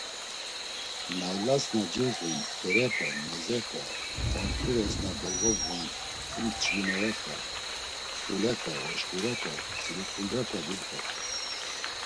Naylas na cezun ntxirepe, nedzepe, ontzures na dolvobğun mtzu nç̌vinerepe, mtsxulepe, oşǩurepe, tziliǩrumbepe vimxort̆it.